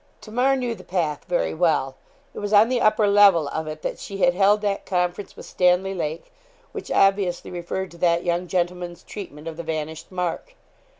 Tamar knew the path very well. It was on the upper level of it that she had held that conference with Stanley Lake, which obviously referred to that young gentleman's treatment of the vanished Mark.